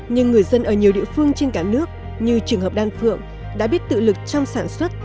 nhưng người dân ở nhiều địa phương trên cả nước như trường hợp đan phượng đã biết tự lực trong sản xuất